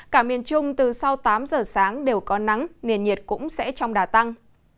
cả miền trung từ sau tám giờ sáng đều có nắng nền nhiệt cũng sẽ trong đà tăng